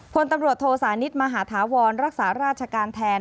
พลตำรวจโทสานิทมหาธาวรรักษาราชการแทน